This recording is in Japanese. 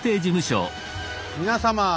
皆様。